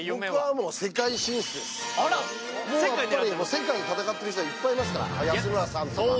世界で戦っている人いっぱいいますから安村さんとか。